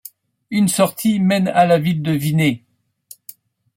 Une sortie mène à la ville de Vinay.